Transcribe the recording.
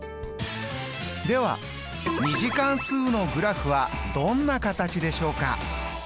では２次関数のグラフはどんな形でしょうか？